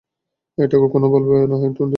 এটা কক্ষনো বলবে না, টনি।